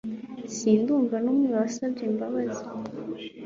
sindumva n'umwe wasabye imbabazi